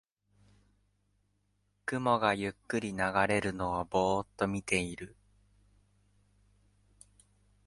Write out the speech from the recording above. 雲がゆっくり流れるのをぼーっと見てる